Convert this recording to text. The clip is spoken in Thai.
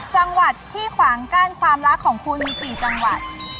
จังหวัดที่ขวางกั้นความรักของคุณมีกี่จังหวัด